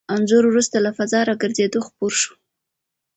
انځور وروسته له فضا راګرځېدو خپور شو.